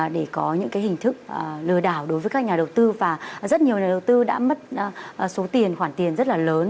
để có những hình thức lừa đảo đối với các nhà đầu tư và rất nhiều nhà đầu tư đã mất số tiền khoản tiền rất là lớn